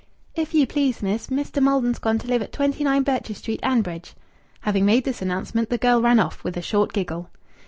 "If ye please, miss, Mester Maldon's gone to live at 29 Birches Street, 'anbridge." Having made this announcement, the girl ran off, with a short giggle.